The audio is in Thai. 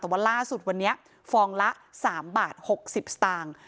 แต่ว่าล่าสุดวันนี้ฟองละ๓บาท๖๐สตางค์